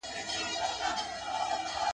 څه مو کول، چي پلار او نيکه مو کول.